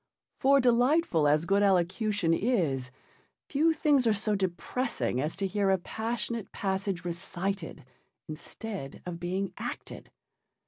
For delightful as good elocution is, few things are so depressing as to hear a passionate passage recited instead of being acted.